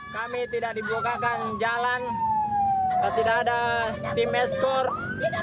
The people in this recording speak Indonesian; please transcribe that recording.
kami tidak dibukakan jalan tidak ada tim escore